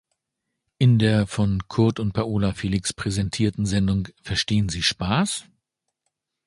In der von Kurt und Paola Felix präsentierten Sendung "Verstehen Sie Spaß?